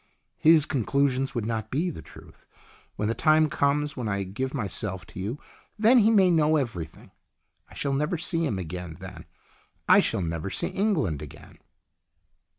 " His conclusions would not be the truth. When the time comes when I give myself to you then he may know everything. I shall never see him again then. I shall never see England again."